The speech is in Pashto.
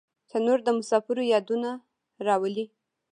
تنور د مسافر یادونه راولي